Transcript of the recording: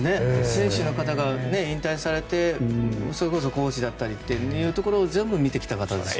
選手の方が引退されてそれこそ活躍というところを全部見てきた方ですから。